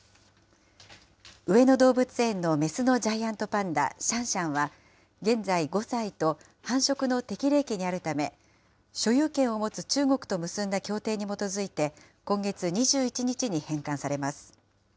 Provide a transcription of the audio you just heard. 上野動物園の雌のジャイアントパンダ、シャンシャンは、現在５歳と、繁殖の適齢期にあるため、所有権を持つ中国と結んだ協定に基づいて、今月２１日に返還されます。